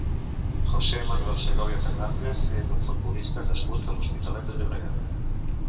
José Manuel Segovia Fernández és un futbolista nascut a l'Hospitalet de Llobregat.